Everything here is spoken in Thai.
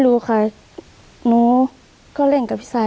หนูก็เล่นกับซายหนูก็เล่นกับซาย